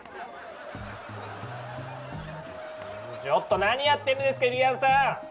ちょっと何やってんですかゆりやんさん！